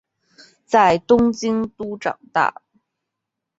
在东京都长大。